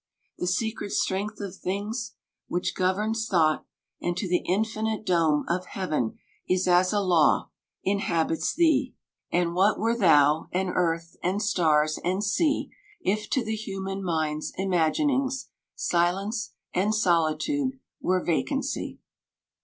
The secret strength of things Which governs thought, and to the infinite dome Of heaven is as a law, inhabits thee ! 183 And what were thou, and earth, and stars, and sea, If to the human mind's imaginings Silence and solitude were vacancy